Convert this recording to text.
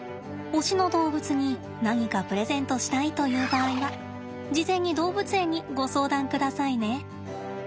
推しの動物に何かプレゼントしたいという場合は事前に動物園にご相談くださいね。